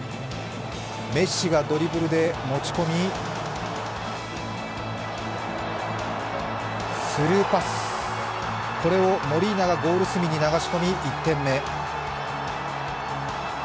メッシがドリブルで持ち込みスルーパス、これをゴール隅に流し込み、１点目。